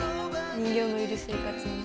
人形のいる生活に。